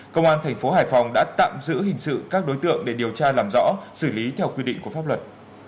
công an thành phố hải phòng đã tạm giữ hình sự các đối tượng để điều tra làm rõ xử lý theo quy định của pháp luật